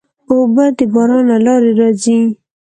اوبه د باران له لارې راځي.